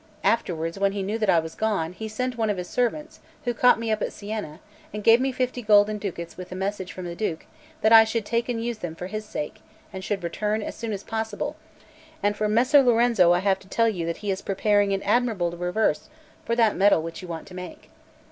Afterwards, when he knew that I was gone, he sent one of his servants, who caught me up at Siena, and gave me fifty golden ducats with a message from the Duke that I should take and use them for his sake, and should return as soon as possible; "and from Messer Lorenzo I have to tell you that he is preparing an admirable reverse for that medal which you want to make."